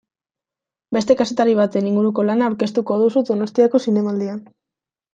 Beste kazetari baten inguruko lana aurkeztuko duzu Donostiako Zinemaldian.